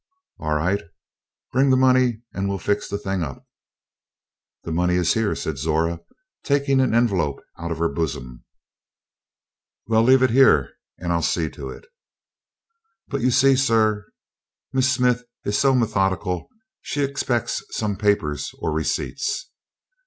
"All right. Bring the money and we'll fix the thing up." "The money is here," said Zora, taking an envelope out of her bosom. "Well, leave it here, and I'll see to it." "But you see, sir, Miss Smith is so methodical; she expects some papers or receipts."